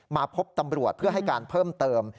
มาพบตำรวจเพื่อให้การเพิ่มเติม